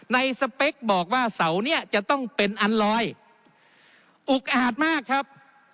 สเปคบอกว่าเสาเนี้ยจะต้องเป็นอันลอยอุกอาจมากครับ